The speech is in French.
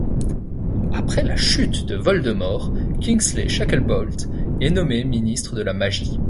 Après la chute de Voldemort, Kingsley Shacklebolt est nommé ministre de la Magie.